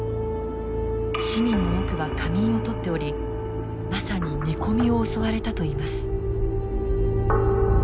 市民の多くは仮眠をとっておりまさに寝込みを襲われたといいます。